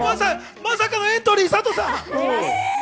まさかのエントリー、サトさん。